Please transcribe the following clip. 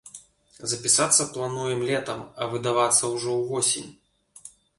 Запісацца плануем летам, а выдавацца ўжо ўвосень.